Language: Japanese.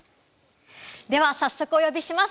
では早速お呼びします。